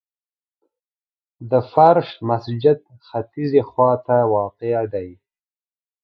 د فرش مسجد ختیځي خواته واقع دی.